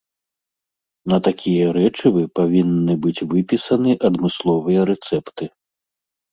На такія рэчывы павінны быць выпісаны адмысловыя рэцэпты.